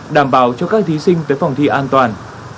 đảm bảo cho các thí sinh tới phòng thi an toàn